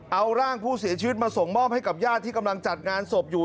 เอาร่างผู้เสียชีวิตมาส่งมอบให้กับญาติที่กำลังจัดงานศพอยู่